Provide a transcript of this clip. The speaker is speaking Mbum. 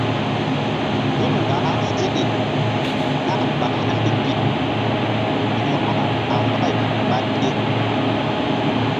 Tul wah seɗe nah ba hani pi mo̧ko a mbay ɓa ge?